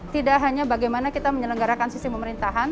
tidak hanya bagaimana kita menyelenggarakan sisi pemerintahan